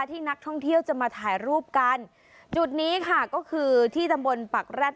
ที่นักท่องเที่ยวจะมาถ่ายรูปกันจุดนี้ค่ะก็คือที่ตำบลปักแร็ด